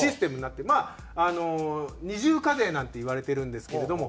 まあ二重課税なんていわれてるんですけれども。